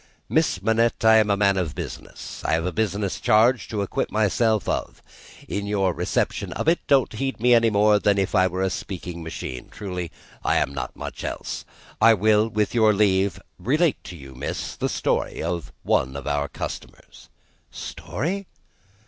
"Miss Manette, I am a man of business. I have a business charge to acquit myself of. In your reception of it, don't heed me any more than if I was a speaking machine truly, I am not much else. I will, with your leave, relate to you, miss, the story of one of our customers." "Story!"